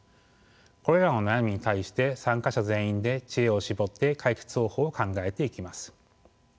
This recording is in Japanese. これらの悩みに対して参加者全員で知恵を絞って解決方法を考えていきます。